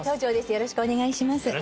よろしくお願いします